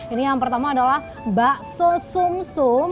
ini yang pertama adalah bakso sum sum